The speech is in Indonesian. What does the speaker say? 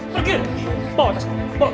bawa tas kursi